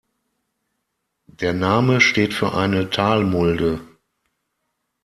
Der Name steht für eine Talmulde.